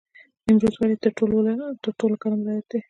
نیمروز ولې تر ټولو ګرم ولایت دی؟